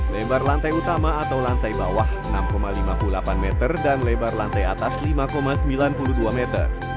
lebar lantai utama atau lantai bawah enam lima puluh delapan meter dan lebar lantai atas lima sembilan puluh dua meter